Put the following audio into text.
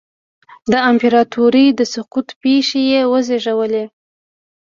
د امپراتورۍ د سقوط پېښې یې وزېږولې.